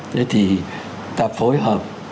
thế thì ta phối hợp